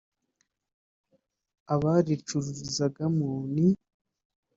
abacuririzagamo ni